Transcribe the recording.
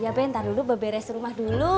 ya be ntar dulu be beres rumah dulu